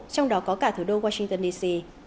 trong đó có cả thủ đô washington dc